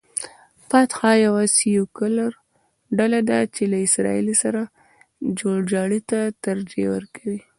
فتح یوه سیکولر ډله ده چې له اسراییلو سره جوړجاړي ته ترجیح ورکوي.